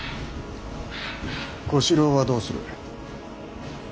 小四郎はどうする。